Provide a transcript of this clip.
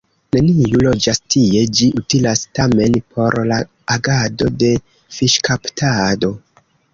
Neniu loĝas tie, ĝi utilas tamen por la agado de fiŝkaptado.